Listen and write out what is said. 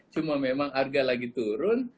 cuma memang harga lagi turun